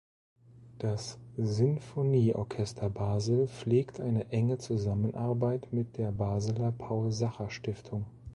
Das Sinfonieorchester Basel pflegt eine enge Zusammenarbeit mit der Basler Paul-Sacher-Stiftung.